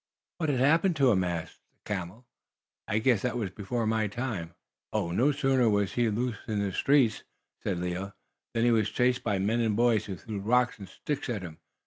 "What had happened to him?" asked the camel. "I guess that was before my time." "Oh, no sooner was he loose in the streets," said Leo, "than he was chased by men and boys, who threw rocks and sticks at him.